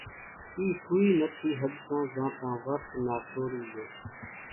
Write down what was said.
اِي ۿوئي نٿي ۿڳتان زانتان ورت نا سوڙي لئي